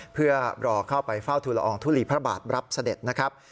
เพื่อรอเข้าไปเฝ้าทุลอองทุลีพระบาทรับเสด็จนะครับ